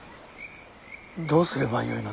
どうすればよいので？